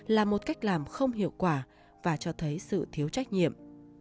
là một cách làm không hiệu quả và cho thấy sự thiếu trách nhiệm